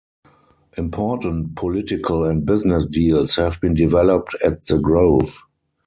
Important political and business deals have been developed at the Grove.